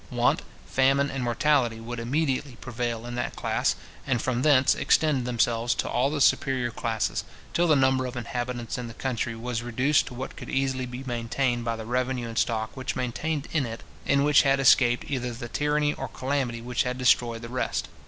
Want, famine, and mortality, would immediately prevail in that class, and from thence extend themselves to all the superior classes, till the number of inhabitants in the country was reduced to what could easily be maintained by the revenue and stock which remained in it, and which had escaped either the tyranny or calamity which had destroyed the rest.